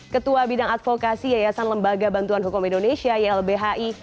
ketua bidang advokasi yayasan lembaga bantuan hukum indonesia ylbhi